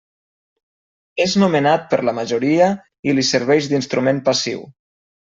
És nomenat per la majoria i li serveix d'instrument passiu.